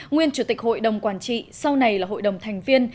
nguyên chủ tịch hội đồng quản trị sau này là hội đồng thành viên